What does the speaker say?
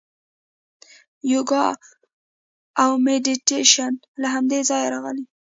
یوګا او میډیټیشن له همدې ځایه راغلي.